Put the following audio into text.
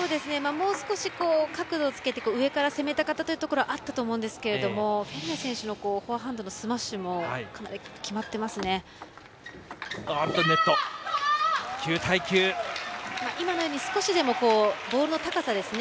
もう少し角度をつけて上から攻めたかったというところがあったと思うんですけれどもフェルネ選手のフォアハンドのスマッシュもかなり決まっていますね。